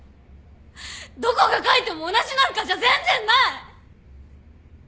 どこが書いても同じなんかじゃ全然ない！